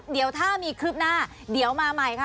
เดี๋ยวถ้ามีคืบหน้าเดี๋ยวมาใหม่ค่ะ